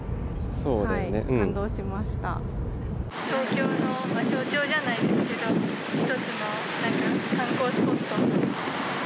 東京の象徴じゃないですけど、一つのなんか、観光スポット。